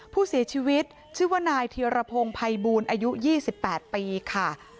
ผู้เสียชีวิตชื่อว่านายทีรพงษ์ไพบูนอายุยี่สิบแปดปีค่ะ